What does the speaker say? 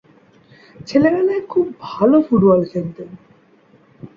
ছেলেবেলায় খুব ভাল ফুটবল খেলতেন।